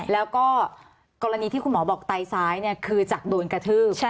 แล้วก็กรณีที่คุณหมอบอกไตซ้ายคือจากโดนกระทืบ